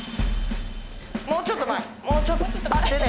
もうちょっと前でね